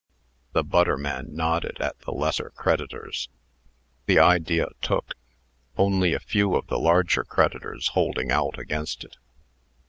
The butter man nodded at the lesser creditors. The idea took; only a few of the larger creditors holding out against it.